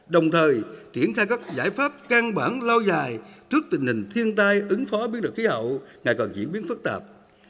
đồng thời triển khai các giải pháp căn bản lâu dài trước tình hình thiên tai ứng phó biến đổi khí hậu ngày còn diễn biến phức tạp